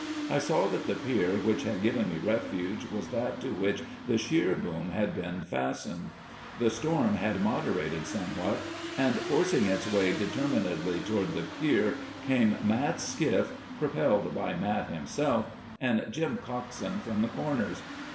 I saw that the pier which had given me refuge was that to which the sheer boom had been fastened. The storm had moderated somewhat; and forcing its way determinedly toward the pier came Mat's skiff, propelled by Mat himself and Jim Coxen from the Corners."